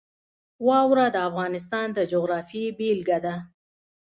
واوره د افغانستان د جغرافیې بېلګه ده.